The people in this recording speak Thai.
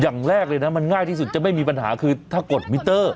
อย่างแรกเลยนะมันง่ายที่สุดจะไม่มีปัญหาคือถ้ากดมิเตอร์